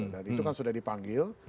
dan itu kan sudah dipanggil